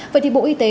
vậy thì bộ y tế